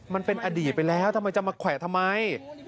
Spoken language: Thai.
มันเป็นอดีตไปแล้วทำไมจะมาแขวะทำไม